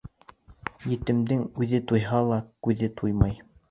Етемдең үҙе туйһа ла күҙе туймай.